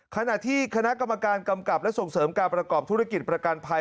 ขณะที่คณะกรรมการกำกับและส่งเสริมการประกอบธุรกิจประกันภัย